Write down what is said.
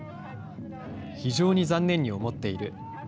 非常に残念に思っている。